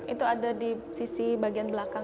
itu ada di sisi bagian belakang